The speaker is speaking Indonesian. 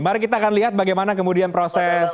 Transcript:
mari kita akan lihat bagaimana kemudian proses